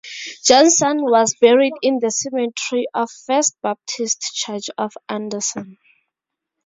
Johnson was buried in the cemetery of First Baptist Church of Anderson.